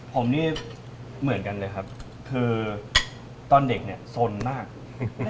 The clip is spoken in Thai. ผมนี่เหมือนกันเลยครับคือตอนเด็กเนี่ยสนมาก